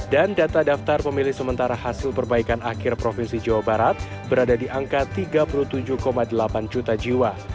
dan data daftar pemilih sementara hasil perbaikan akhir provinsi jawa barat berada di angka tiga puluh tujuh delapan juta jiwa